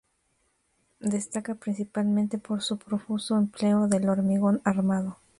Destaca principalmente por su profuso empleo del hormigón armado.